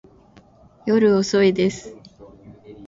夜遅いです。